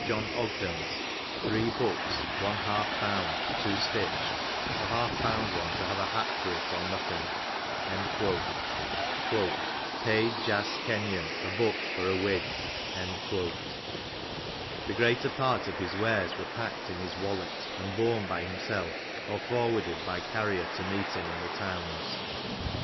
John Ogden's 3 books, one half bound, 2 stitched, the half bound one to have a hat for it or nothing.*^ " Paid Jas. Kenyou a book for a wig.'^ The greater part of his wares were packed in his wallet, and borne by himself or for warded by carrier to meet him in the towns.